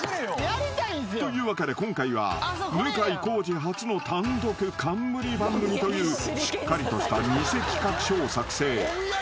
［というわけで今回は向井康二初の単独冠番組というしっかりとした偽企画書を作成］